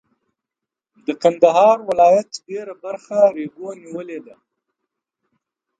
د کندهار ولایت ډېره برخه ریګو نیولې ده.